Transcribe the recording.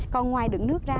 còn ngoài đứng nước ra